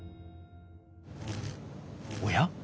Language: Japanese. おや？